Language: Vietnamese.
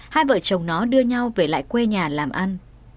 hai vợ chồng nó đưa nhau về lại quê nhà làm ăn